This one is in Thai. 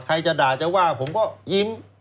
จะด่าจะว่าผมก็ยิ้ม